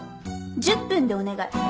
１０分でお願い。